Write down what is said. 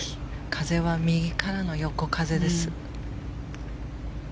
風は右からの横風です。